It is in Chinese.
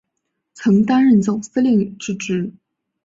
曾担任总司令之职。